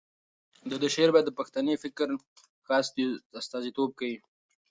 د ده شعر د پښتني فکر ښه استازیتوب کوي.